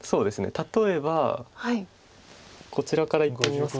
例えばこちらからいってみますか。